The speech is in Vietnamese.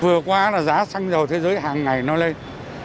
vừa qua là giá xăng dầu thế giới hàng ngày nó lên